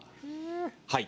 はい。